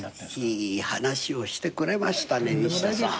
いい話をしてくれましたね西田さん。